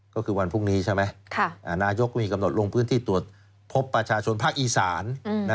ก็คือวันพรุ่งนี้ใช่ไหมนายกมีกำหนดลงพื้นที่ตรวจพบประชาชนภาคอีสาน